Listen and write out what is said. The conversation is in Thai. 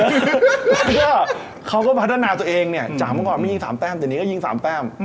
เพราะเค้าก็พัฒนาเค้าเองเนี่ยจากมั่งก่อนไม่ยิง๓แต้มแต่เดี๋ยวนี้ก็ยิง๓แต้ม